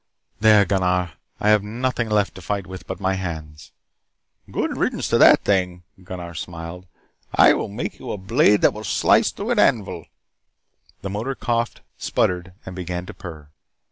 "There, Gunnar. I have nothing left to fight with but my hands." "Good riddance to that thing," Gunnar smiled. "I will make you a blade that will slice through an anvil." The motor coughed, sputtered and began to purr.